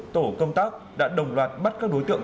tổ công tác đã đồng loạt bắt các đối tượng